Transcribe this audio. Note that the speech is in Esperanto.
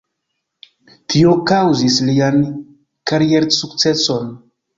Tio kaŭzis lian kariersukceson.